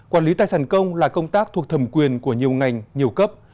quản lý tài sản công là công tác thuộc thẩm quyền của nhiều ngành nhiều cấp